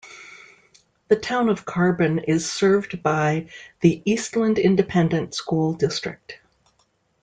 The town of Carbon is served by the Eastland Independent School District.